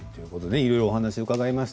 いろいろお話、伺いました。